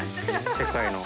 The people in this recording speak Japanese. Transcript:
世界の。